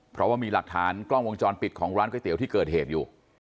เพราะว่ามีหลักฐานกล้องวงจรปิดของร้านก๋วยเตี๋ยวที่เกิดเหตุอยู่